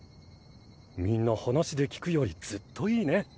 みんな話で聞くよりずっといいね。